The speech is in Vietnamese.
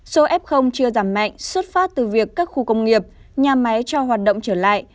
số f chưa giảm mạnh xuất phát từ việc các khu công nghiệp nhà máy cho hoạt động trở lại